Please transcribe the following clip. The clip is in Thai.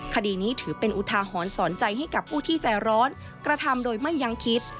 คดีนี้ถือเป็นอุทาหรณ์สอนใจให้กับผู้ที่ใจร้อนกระทำโดยไม่ยังคิด